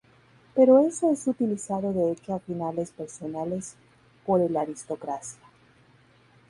Pero eso es utilizado de hecho a finales personales por el aristocracia.